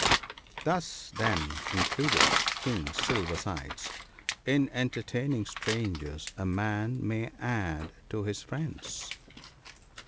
" Thus, then," concluded King Silver sides, " in enter taining strangers a man may add to his friends."